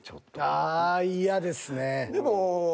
ああ嫌ですね。